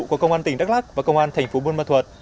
của công an tỉnh đắk lắc và công an tp bùi mà thuật